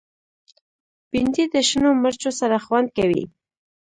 بېنډۍ د شنو مرچو سره خوند کوي